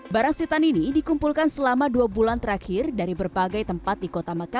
barang setan ini dikumpulkan selama dua bulan terakhir dari berbagai tempat di kota mekah